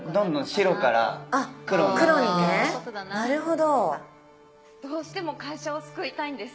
どうしても会社を救いたいんです。